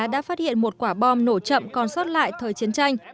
đã phát hiện một quả bom nổ chậm còn sót lại thời chiến tranh